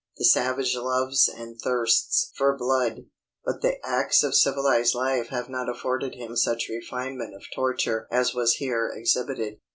The savage loves and thirsts for blood; but the acts of civilized life have not afforded him such refinement of torture as was here exhibited."